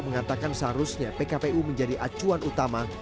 mengatakan seharusnya pkpu menjadi acuan utama